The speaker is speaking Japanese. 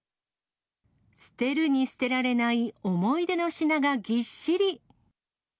捨てるに捨てられない思い出の品がぎっしり。